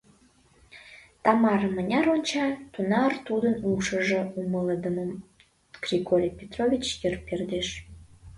Тамара, мыняр онча, тунар тудын ушыжо умылыдымын Григорий Петрович йыр пӧрдеш...